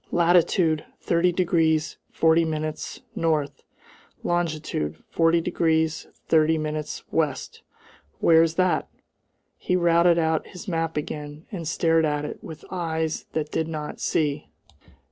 Latitude, 30 degrees 40 minutes N. longitude, 40 degrees 30 minutes W. where's that?" He routed out his map again, and stared at it with eyes that did not see.